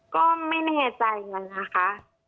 ก็ไม่แน่ใจเลยนะคะ